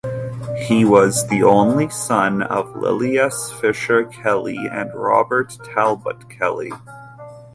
He was the only son of Lilias Fisher Kelly and Robert Talbot Kelly.